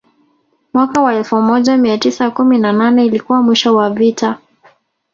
Mwaka wa elfu moja mia tisa kumi na nane ilikuwa mwisho wa vita